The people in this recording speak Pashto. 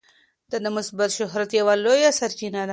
دا د مثبت شهرت یوه لویه سرچینه ده.